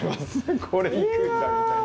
これいくんだみたいな。